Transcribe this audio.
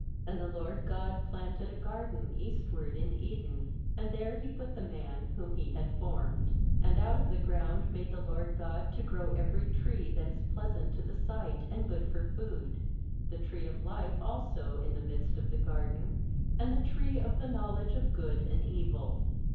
8And the LORD God planted a garden eastward, in Eden; and there He put the man whom He had formed. 9And out of the ground made the LORD God to grow every tree that is pleasant to the sight, and good for food; the tree of life also in the midst of the garden, and the tree of the knowledge of good and evil.